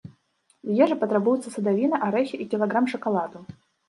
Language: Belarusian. З ежы патрабуюцца садавіна, арэхі і кілаграм шакаладу.